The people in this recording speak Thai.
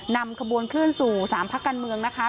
นำขบวนเคลื่อนสู่๓พักการเมืองนะคะ